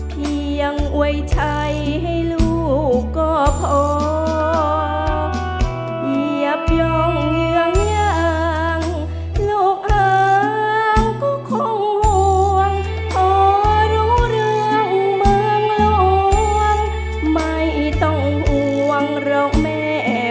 เพลงที่๒เพลงมาครับขอโชคดี